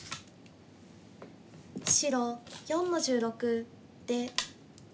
白４の十六出。